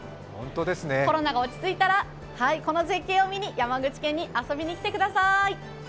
コロナが落ち着いたら、この絶景を見に山口県に遊びにきてください。